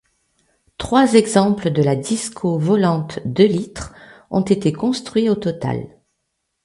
Trois exemples de la Disco Volante deux litres ont été construits au total.